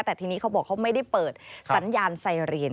แต่ทีนี้เขาบอกเขาไม่ได้เปิดสัญญาณไซเรียน